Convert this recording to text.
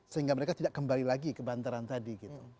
sehingga mereka tidak kembali lagi ke bantaran tadi gitu